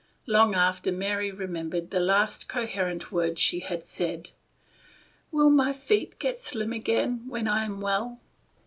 Long after, Mary remembered the last coherent words she had said :" Will my feet get slim again when I am well?"